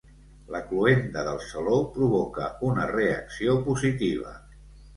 La cloenda del Saló provoca una reacció positiva.